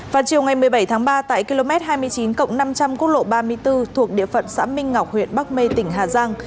vào chiều ngày một mươi bảy tháng ba tại km hai mươi chín cộng năm trăm linh quốc lộ ba mươi bốn thuộc địa phận xã minh ngọc huyện bắc mê tỉnh hà giang